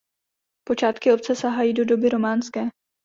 Počátky obce sahají do doby románské.